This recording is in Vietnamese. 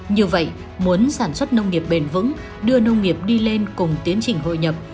như vậy muốn sản xuất nông nghiệp bền vững đưa nông nghiệp đi lên cùng tiến trình hội nhập